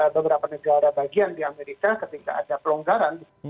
beberapa negara bagian di amerika ketika ada pelonggaran